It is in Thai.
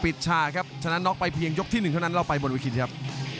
ปิดช่างครับฉะนั้นนอกไปเพียงยกที่๑เท่านั้นเราไปบนวิคิดครับ